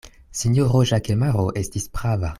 Sinjoro Ĵakemaro estis prava.